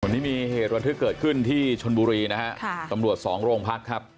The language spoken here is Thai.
วันนี้มีเหตุระทึกเกิดขึ้นที่ชนบุรีนะฮะค่ะตำรวจสองโรงพักครับ